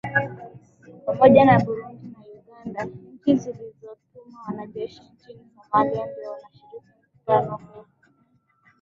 pamoja na burundi na uganda nchi zilizotuma wanajeshi nchini somalia ndio wanashiriki mkutano huo